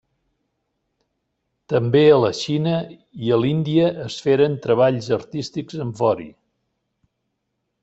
També a la Xina i l'Índia es feren treballs artístics en vori.